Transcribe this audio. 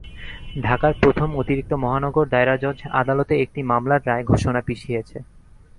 ঢাকার প্রথম অতিরিক্ত মহানগর দায়রা জজ আদালতে একটি মামলার রায় ঘোষণা পিছিয়েছে।